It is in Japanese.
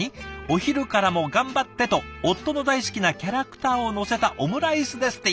「お昼からも頑張って！と夫の大好きなキャラクターをのせたオムライスです」って。